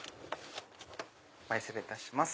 前失礼いたします。